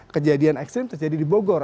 kejadian ekstrim terjadi di bogor